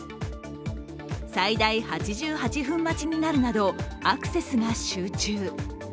最大８８分待ちになるなど、アクセスが集中。